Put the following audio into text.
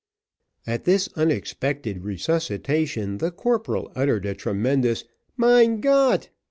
At this unexpected resuscitation, the corporal uttered a tremendous "Mein Gott!"